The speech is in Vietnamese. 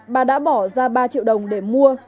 bà đã bỏ ra ba triệu đồng để mua